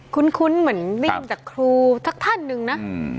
คุ้นเหมือนได้ยินจากครูสักท่านหนึ่งนะ